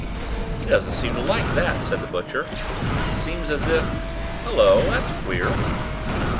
"He don't seem to like that," said the butcher. "Seems as if Hullo, that's queer!"